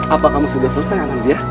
apa kamu sudah selesai anandia